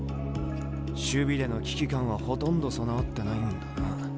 守備での危機感はほとんど備わってないんだな。